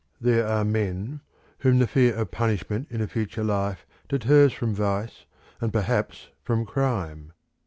There are men whom the fear of punishment in a future life deters from vice and perhaps from crime.